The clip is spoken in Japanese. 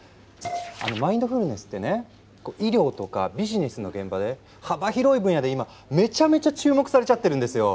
あのマインドフルネスってね医療とかビジネスの現場で幅広い分野で今めちゃめちゃ注目されちゃってるんですよ。